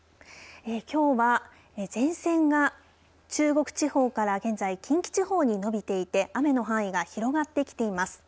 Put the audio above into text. きょうは前線が中国地方から現在近畿地方に伸びていて雨の範囲が広がってきています。